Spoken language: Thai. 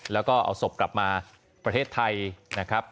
แล้วก็เอาศพกลับมาประเทศไทยนะครับ